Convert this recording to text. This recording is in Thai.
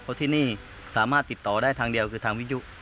เพราะที่นี่สามารถติดต่อได้ทางเดียวคือทางวิทยุ